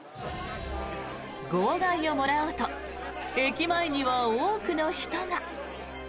号外をもらおうと駅前には多くの人が。